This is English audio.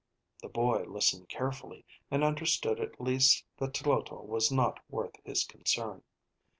The boy listened carefully, and understood at least that Tloto was not worth his concern.